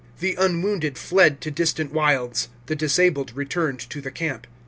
The unwounded fled to distant wilds; the disabled returned to the camp.